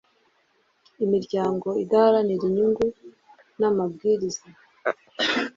imiryango idaharanira inyungu n amabwiriza